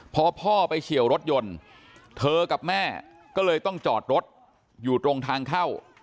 พอพ่อไปเฉียวรถยนต์เธอกับแม่ก็เลยต้องจอดรถอยู่ตรงทางเข้า